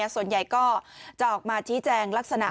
ส่วนใหญ่ก็จะออกมาชี้แจงลักษณะ